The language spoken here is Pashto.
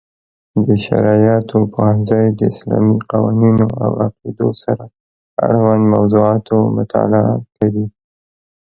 د شرعیاتو پوهنځی د اسلامي قوانینو او عقیدو سره اړوند موضوعاتو مطالعه کوي.